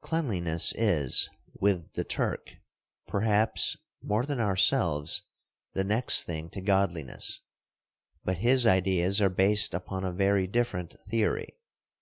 Cleanliness is, with the Turk, perhaps, more than ourselves, the next thing to godliness. But his ideas are based upon a very different theory.